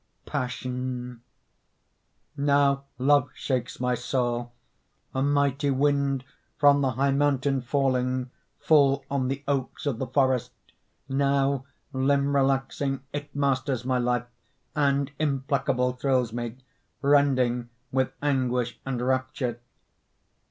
PASSION Now Love shakes my soul, a mighty Wind from the high mountain falling Full on the oaks of the forest; Now, limb relaxing, it masters My life and implacable thrills me, Rending with anguish and rapture.